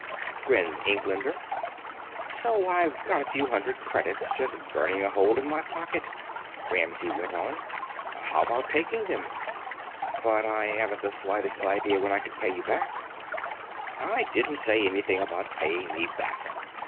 grinned Englander. "So I've got a few hundred credits just burning a hole in my pocket," Ramsey went on. "How's about taking them?" "But I haven't the slightest idea when I could pay back." "I didn't say anything about paying me back."